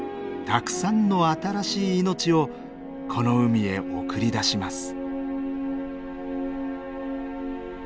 たくさんの新しい命をこの海へ送り出します。